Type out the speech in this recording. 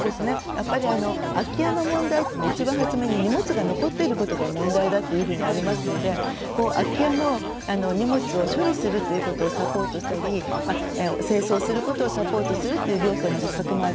やっぱり空き家の問題というのは一番初めに荷物が残っていることが問題だというふうにありますので空き家の荷物を処理するということをサポートしたり清掃することをサポートするという行政の施策もありますね。